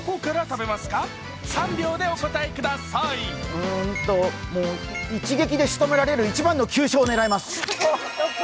うーんと一撃で、しとめられる一番の急所を狙います。